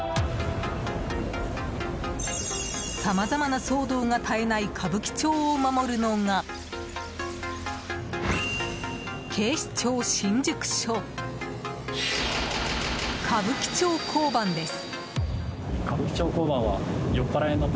さまざまな騒動が絶えない歌舞伎町を守るのが警視庁新宿署歌舞伎町交番です。